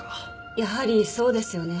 やはりそうですよね。